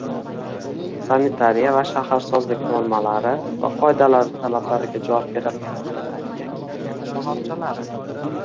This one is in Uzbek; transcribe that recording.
sanitariya va shaharsozlik normalari va qoidalari talablariga javob beradigan sanitariya-gigiyena shoxobchalari